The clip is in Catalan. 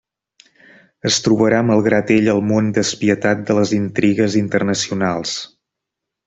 Es trobarà malgrat ell al món despietat de les intrigues internacionals.